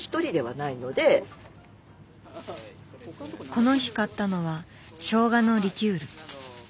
この日買ったのはしょうがのリキュール。